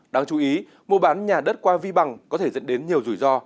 đáng chú ý mua bán nhà đất qua vi bằng có thể dẫn đến nhiều rủi ro